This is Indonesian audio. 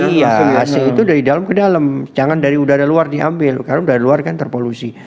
iya ac itu dari dalam ke dalam jangan dari udara luar diambil karena dari luar kan terpolusi